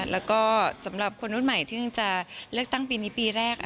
แล้วก็สำหรับคนรุ่นใหม่ที่เพิ่งจะเลือกตั้งปีนี้ปีแรก